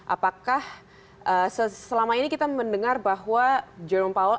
apakah selama ini kita mendengar bahwa jerome power